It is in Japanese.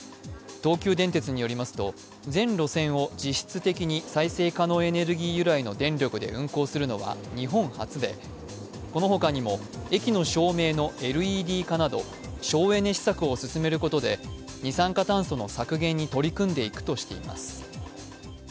東急電鉄によりますと全路線を実質的に再生可能エネルギー由来の電力で運行するのは日本初で、このほかにも、駅の照明のＬＥＤ化など省エネ施策を進めることで二酸化炭素の削減に取り組んでいくとしています。